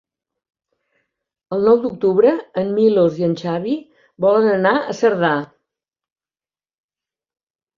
El nou d'octubre en Milos i en Xavi volen anar a Cerdà.